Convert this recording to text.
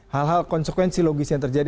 hal hal konsekuensi logis yang terjadi